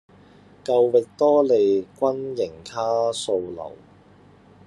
舊域多利軍營卡素樓